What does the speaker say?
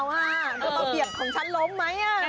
กระเปียกของฉันล้มไหมอ่ะ